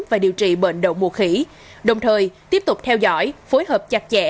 và điều trị bệnh đậu mùa khỉ đồng thời tiếp tục theo dõi phối hợp chặt chẽ